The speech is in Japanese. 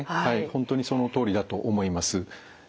本当にそのとおりだと思います。